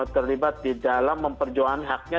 terlibat di dalam memperjuangkan haknya